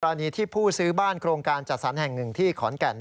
อันนี้ที่ผู้ซื้อบ้านโครงการจัดสรรแห่งหนึ่งที่ขอนแก่น